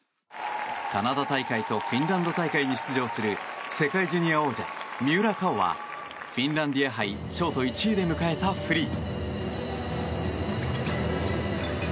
カナダ大会とフィンランド大会に出場する世界ジュニア王者、三浦佳生はフィンランディア杯ショート１位で迎えたフリー。